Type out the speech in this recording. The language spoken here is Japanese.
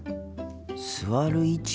座る位置？